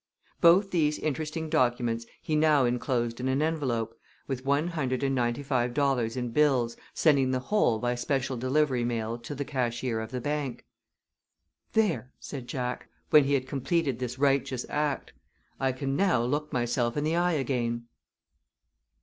ME. Both these interesting documents he now inclosed in an envelope, with one hundred and ninety five dollars in bills, sending the whole by special delivery mail to the cashier of the bank. "There!" said Jack, when he had completed this righteous act. "I can now look myself in the eye again."